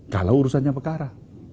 kalau urusannya pekara